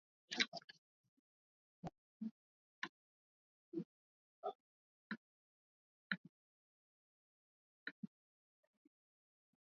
matangazo yako yanapelekea uapatikanaji wa bidhaa kirahisi